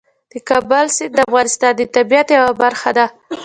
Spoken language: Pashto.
د کابل سیند د افغانستان د طبیعت یوه برخه ده.